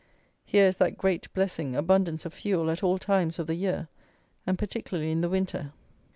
Here is that great blessing, abundance of fuel at all times of the year, and particularly in the winter.